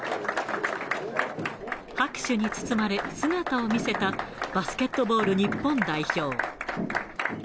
拍手に包まれ、姿を見せたバスケットボール日本代表。